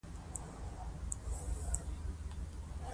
لومړی د چاپ یو ماشین په لندن کې نصب کړل.